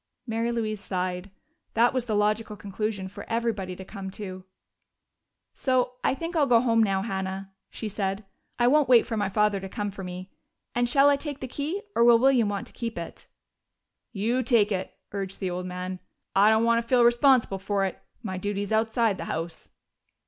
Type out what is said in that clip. Mary Louise sighed: that was the logical conclusion for everybody to come to. "So I think I'll go home now, Hannah," she said. "I won't wait for my father to come for me. And shall I take the key, or will William want to keep it?" "You take it," urged the old man. "I don't want to feel responsible for it. My duty's outside the house."